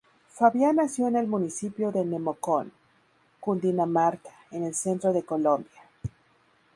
Fabián nació en el municipio de Nemocón, Cundinamarca, en el centro de Colombia.